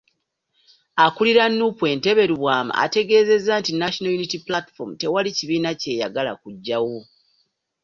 Akulira Nuupu Entebe, Lubwama, ategeezezza nti National Unity Platform tewali kibiina ky'eyagala kuggyawo.